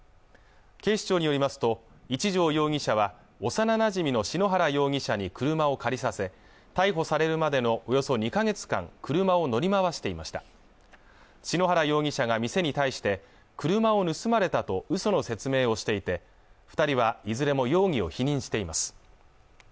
警視庁によりますと一條容疑者は幼なじみの篠原容疑者に車を借りさせ逮捕されるまでのおよそ２か月間車を乗り回していました篠原容疑者が店に対して車を盗まれたと嘘の説明をしていて二人はいずれも容疑を否認しています